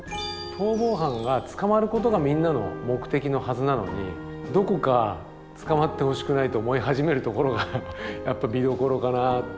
逃亡犯が捕まることがみんなの目的のはずなのにどこか捕まってほしくないと思い始めるところが見どころかな。